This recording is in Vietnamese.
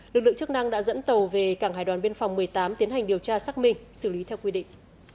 lực lượng chức năng đã dẫn tàu về cảng hải đoàn biên phòng một mươi tám tiến hành điều tra xác minh xử lý theo quy định